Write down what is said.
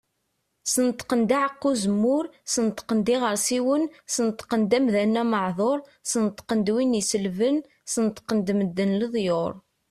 Sneṭqen-d aɛeqqa uzemmur, Sneṭqen-d iɣersiwen, Sneṭqen-d amdan ameɛdur, Sneṭqen-d win iselben, Sneṭqen-d medden leḍyur.